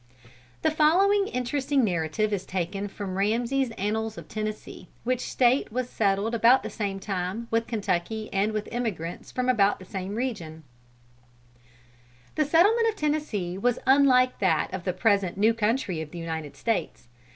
The following interesting narrative is taken from Ramsay's Annals of Tennessee, which State was settled about the same time with Kentucky and with emigrants from about the same region: "The settlement of Tennessee was unlike that of the present new country of the United States.